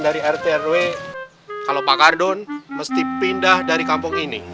dari rt rw kalau pak kardun mesti pindah dari kampung ini